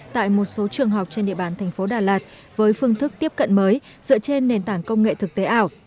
tại một số trường học trên địa bàn thành phố đà lạt với phương thức tiếp cận mới dựa trên nền tảng công nghệ thực tế ảo